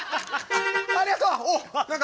ありがとう！